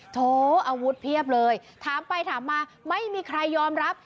โถอาวุธเพียบเลยถามไปถามมาไม่มีใครยอมรับ